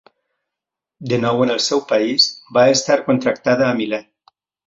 De nou en el seu país, va estar contractada a Milà.